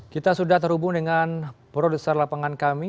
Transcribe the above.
kita sudah terhubung dengan produser lapangan kami